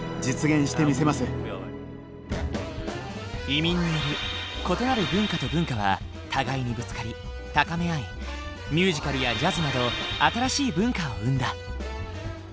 移民による異なる文化と文化は互いにぶつかり高め合いミュージカルやジャズなど新しい文化を生んだ。